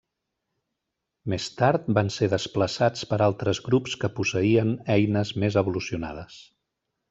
Més tard van ser desplaçats per altres grups que posseïen eines més evolucionades.